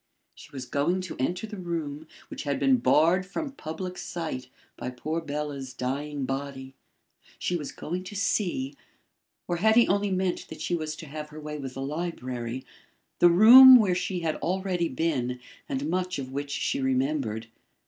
She was going to enter the room which had been barred from public sight by poor Bela's dying body. She was going to see or had he only meant that she was to have her way with the library the room where she had already been and much of which she remembered.